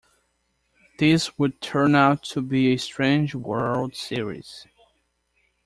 This would turn out to be a strange World Series.